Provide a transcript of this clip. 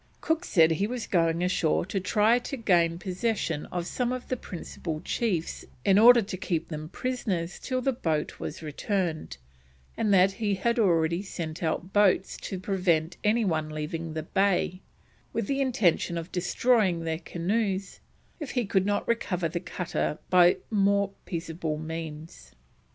Cook said he was going ashore to try to gain possession of some of the principal chiefs in order to keep them prisoners till the boat was returned, and that he had already sent out boats to prevent any one leaving the bay, with the intention of destroying their canoes if he could not recover the cutter by more peaceable means.